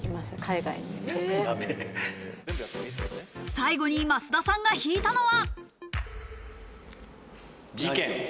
最後に増田さんが引いたのは。